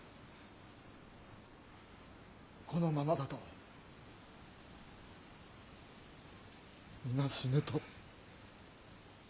このままだと皆死ぬと。